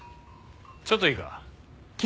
ちょっといいか？